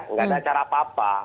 nggak ada cara apa apa